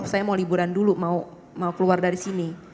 saya mau liburan dulu mau keluar dari sini